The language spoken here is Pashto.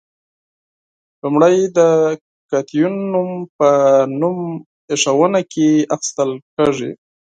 لومړی د کتیون نوم په نوم ایښودنه کې اخیستل کیږي.